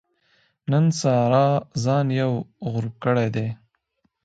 نن سارا ځان یو غړوپ کړی دی.